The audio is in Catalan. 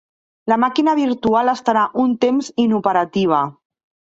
La màquina virtual estarà un temps inoperativa.